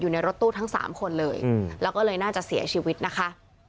อยู่ในรถตู้ทั้ง๓คนเลยแล้วก็เลยน่าจะเสียชีวิตนะคะ